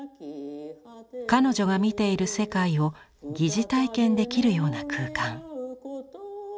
彼女が見ている世界を疑似体験できるような空間。